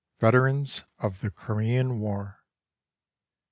VETERANS OF THE CRIMEAN WAR.